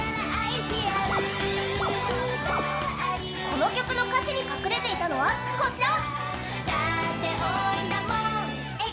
この曲の歌詞に隠れていたのはこちら。